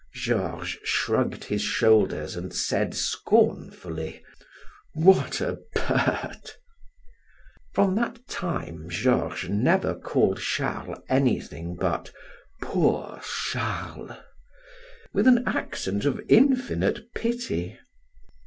Georges shrugged his shoulders and said scornfully: "What a bird!" From that time Georges never called Charles anything but "poor Charles," with an accent of infinite pity.